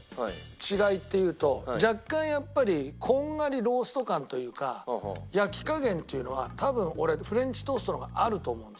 違いっていうと若干やっぱりこんがりロースト感というか焼き加減っていうのは多分俺フレンチトーストの方があると思うんですよ。